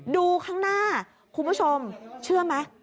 ดูข้างหน้าคุณผู้ชมเชื่อไหม